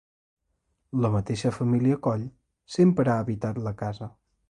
La mateixa família Coll sempre ha habitat la casa.